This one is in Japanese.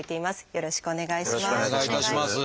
よろしくお願いします。